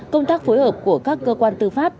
công tác phối hợp của các cơ quan tư pháp